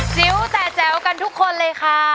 จิ๋วแต่แจ๋วกันทุกคนเลยค่ะ